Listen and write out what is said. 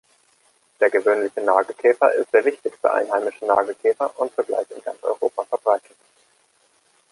Der Gewöhnliche Nagekäfer ist der wichtigste einheimische Nagekäfer und zugleich in ganz Europa verbreitet.